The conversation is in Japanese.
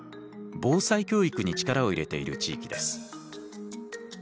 防災教育に力を入れている地域です。